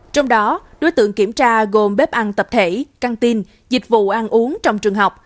trong đó đối tượng kiểm tra gồm bếp ăn tập thể canteen dịch vụ ăn uống trong trường học